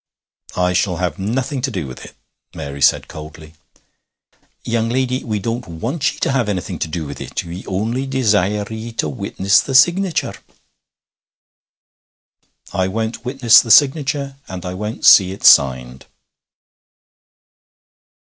'I shall have nothing to do with it,' Mary said coldly. 'Young lady, we don't want ye to have anything to do with it. We only desire ye to witness the signature.' 'I won't witness the signature, and I won't see it signed.'